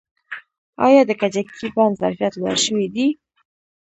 آیا د کجکي بند ظرفیت لوړ شوی دی؟